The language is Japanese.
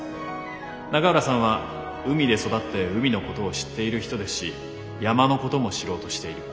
永浦さんは海で育って海のことを知っている人ですし山のことも知ろうとしている。